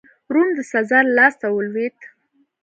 روم د سزار لاسته ولوېد.